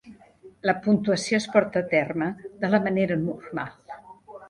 La puntuació es porta a terme de la manera normal.